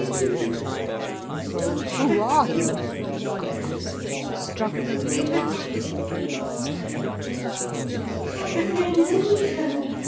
"Who are you?" I asked, struggling, meanwhile, to disengage myself.